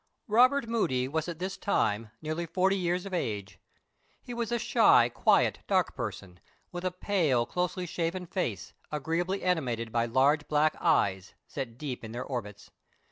ROBERT MOODY was at this time nearly forty years of age. He was a shy, quiet, dark person, with a pale, closely shaven face, agreeably animated by large black eyes, set deep in their orbits.